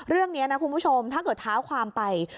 เรื่องนี้นะคุณผู้ชมถ้าเกิดเท้าความไป